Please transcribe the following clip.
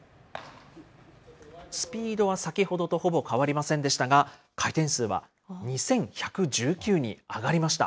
スピードは先ほどとほぼ変わりませんでしたが、回転数は２１１９に上がりました。